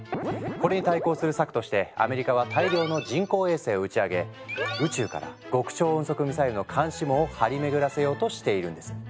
これに対抗する策としてアメリカは大量の人工衛星を打ち上げ宇宙から極超音速ミサイルの監視網を張り巡らせようとしているんです。